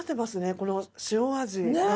この塩味。